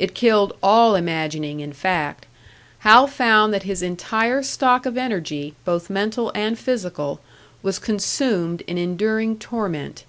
It killed all imagining, in fact; Hal found that his entire stock of energy, both mental and physical, was consumed in enduring torment.